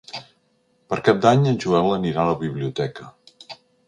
Per Cap d'Any en Joel anirà a la biblioteca.